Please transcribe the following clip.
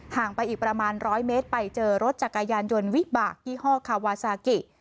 งไปอีกประมาณ๑๐๐เมตรไปเจอรถจักรยานยนต์วิบากยี่ห้อคาวาซากิ